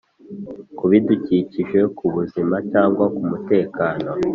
ku bidukikije ku buzima cyangwa kumutekano